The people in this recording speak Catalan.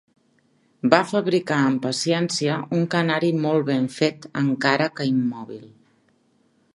Va fabricar amb paciència un canari molt ben fet, encara que immòbil